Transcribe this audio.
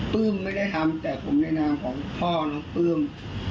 ไม่ได้ทำแต่ผมในนามของพ่อน้องปลื้ม